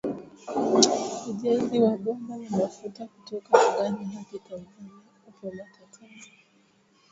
Ujenzi wa bomba la mafuta kutoka Uganda hadi Tanzania upo matatani